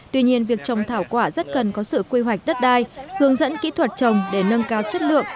tuy nhiên việc trồng thảo quả rất cần có sự quy hoạch đất đai hướng dẫn kỹ thuật trồng để nâng cao chất lượng